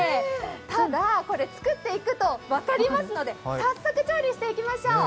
ただ、これ作っていくと分かりますので早速調理していきましょう。